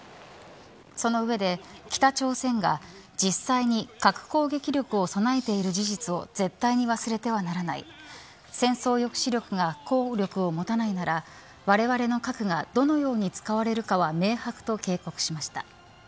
その上で、北朝鮮が実際に核攻撃力を備えている事実を絶対に忘れてはならない戦争抑止力が効力を持たないならわれわれの核がどのように使われるかは明白と警告しました。